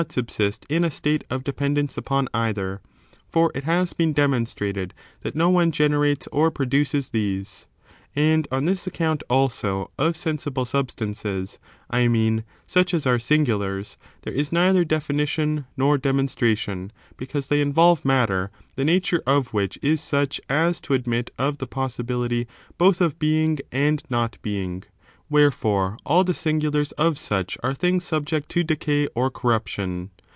subsist in a state of dependence upon either ; for it has been demonstrated that no one generates or produces these. And 2. Singulars, ^^^*^^ account, also, of Sensible substances — I therefore, inde mean, such as are singulars — there is neither definition nor demonstration, because they involve matter the nature of which is such as to admit of the possi bility both of being and not being ; wherefore, all the singulars of such are things subject to decay or corruption.